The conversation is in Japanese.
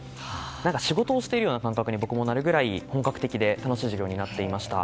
仕事をしているような感覚に僕もなるぐらい、本格的で楽しい授業になっていました。